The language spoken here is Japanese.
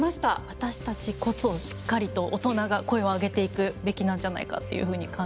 私たちこそしっかりと大人が声を上げていくべきなんじゃないかっていうふうに感じましたね。